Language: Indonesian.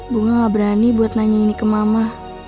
bunga gak berani buat nanya ini ke mama